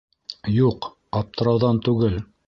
— Юҡ, аптырауҙан түгел.